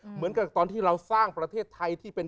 เหมือนกับตอนที่เราสร้างประเทศไทยที่เป็น